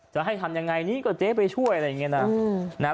จะให้ทำยังไงนี่ก็เจ๊ไปช่วยอะไรอย่างนี้นะ